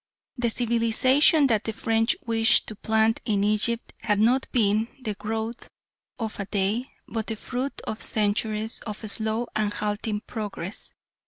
The civilisation that the French wished to plant in Egypt had not been the growth of a day, but the fruit of centuries of slow and halting progress.